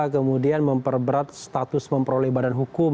kemudian memperberat status memperoleh badan hukum